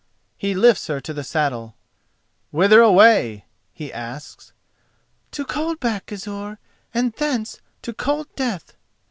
He lifts her to the saddle. "Whither away?" he asks. "To Coldback, Gizur, and thence to cold Death."